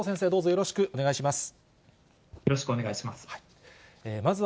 よろしくお願いします。